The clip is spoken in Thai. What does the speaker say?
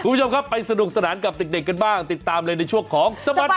คุณผู้ชมครับไปสนุกสนานกับเด็กกันบ้างติดตามเลยในช่วงของสบัด